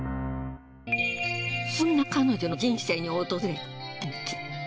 そんな彼女の人生に訪れた転機。